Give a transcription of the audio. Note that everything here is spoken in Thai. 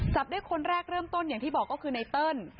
จับได้คนแรกเริ่มต้นอย่างที่บอกก็คือไนเติ้ล